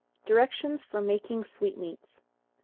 _Directions for making Sweetmeats.